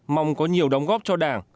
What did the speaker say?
mong có nhiều đóng góp cho đảng